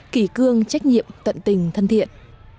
kỳ cương trách nhiệm tận tình thân thiện